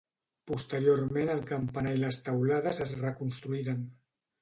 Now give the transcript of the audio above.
Posteriorment el campanar i les teulades es reconstruïren.